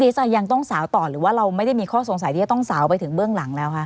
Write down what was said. ยังต้องสาวต่อหรือว่าเราไม่ได้มีข้อสงสัยที่จะต้องสาวไปถึงเบื้องหลังแล้วคะ